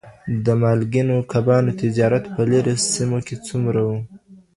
د مالګینو کبانو تجارت په لرې سیمو کي څومره و؟